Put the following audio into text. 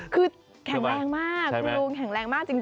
คือแข็งแรงมากคุณลุง